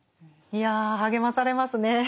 いや励まされますね。